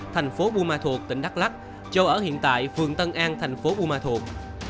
thành phố bù ma thuột tỉnh đắk lắk châu ở hiện tại phường tân an thành phố bù ma thuột